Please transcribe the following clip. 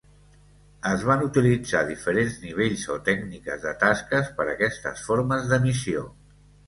Es van utilitzar diferents nivells o tècniques de tasques per aquestes formes de missió.